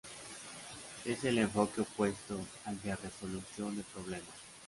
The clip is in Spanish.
Es el enfoque opuesto al de resolución de problemas.